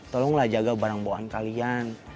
tolonglah jaga barang bawaan kalian